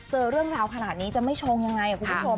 เจอเรื่องราวขนาดนี้จะไม่ชงยังไงคุณผู้ชม